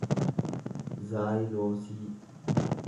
zaayiloosii